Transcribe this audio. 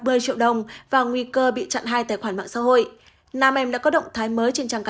một mươi triệu đồng và nguy cơ bị chặn hai tài khoản mạng xã hội nam em đã có động thái mới trên trang cá